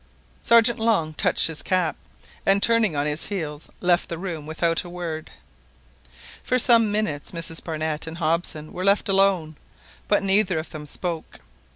Sergeant Long touched his cap, and turning on his heel left the room without a word. For some minutes Mrs Barnett and Hobson were left alone, but neither of them spoke.